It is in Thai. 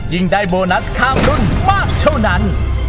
ยิ่งได้โบนัสข้ามรุ่นมากเท่านั้น